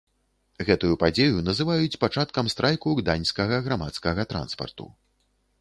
Гэтую падзею называюць пачаткам страйку гданьскага грамадскага транспарту.